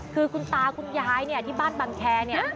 คือคุณตาคุณยายเนี่ยที่บ้านบังแคร์เนี่ย